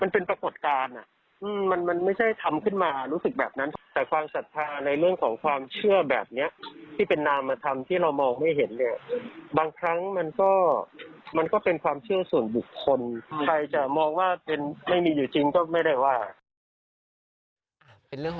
เป็นเรื่องของความเชื่อ